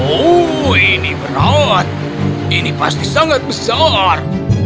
oh ini berat ini pasti sangat besar